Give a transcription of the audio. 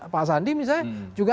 pak sandi misalnya